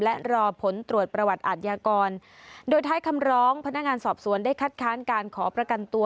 และรอผลตรวจประวัติอาทยากรโดยท้ายคำร้องพนักงานสอบสวนได้คัดค้านการขอประกันตัว